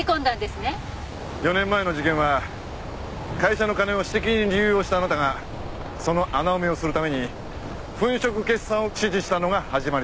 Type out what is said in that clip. ４年前の事件は会社の金を私的に流用したあなたがその穴埋めをするために粉飾決算を指示したのが始まりだった。